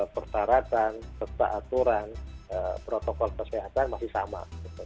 persyaratan serta aturan protokol kesehatan masih sama